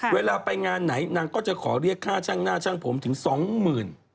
เวลาไปงานไหนนางก็จะขอเรียกค่าช่างหน้าช่างผมถึงสองหมื่น